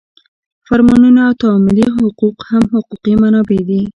فرمانونه او تعاملي حقوق هم حقوقي منابع دي.